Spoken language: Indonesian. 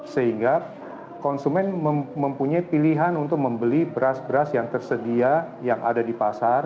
sehingga konsumen mempunyai pilihan untuk membeli beras beras yang tersedia yang ada di pasar